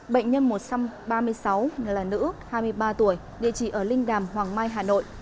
bệnh nhân một trăm ba mươi sáu là nữ hai mươi ba tuổi địa chỉ ở linh đàm hoàng mai hà nội